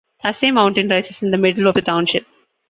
Tussey Mountain rises in the middle of the township.